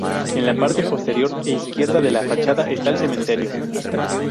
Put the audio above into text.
En la parte posterior e izquierda de la fachada está el cementerio.